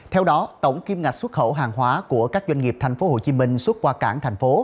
theo đó tổng kim ngạch xuất khẩu hàng hóa của các doanh nghiệp tp hcm xuất qua cảng thành phố